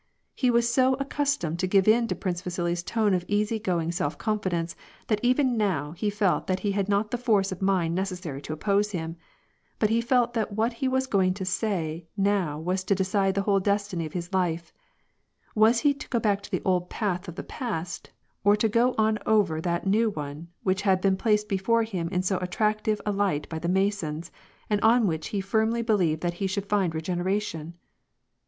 He was so accus tomed to give in to Prince Vasili's tone of easy going self con fidence, that even now he felt that he had not the force of mind necessary to oppose him ; but he felt that what he was going to say now was to decide the whole destiny of his life: was he to go back to the old path of the past, or to go ou over that new one which had been placed before him in so attract ive a light by the Masons, and on which he firmly believed that he should find regeneration